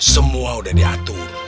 semua udah diatur